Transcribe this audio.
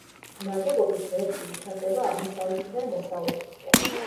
ნაგებობის ღერძი ვითარდება აღმოსავლეთიდან დასავლეთისკენ.